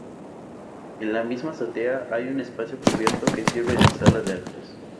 En la misma azotea hay un espacio cubierto que sirve de sala de actos.